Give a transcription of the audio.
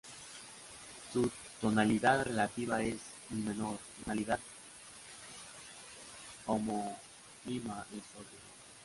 Su tonalidad relativa es "mi" menor, y su tonalidad homónima es "sol" menor.